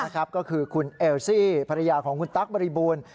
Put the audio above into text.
ก็คือคุณเอลซี่ภรรยาของคุณตั๊กบริบูรณ์